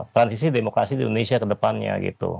transisi demokrasi di indonesia ke depannya gitu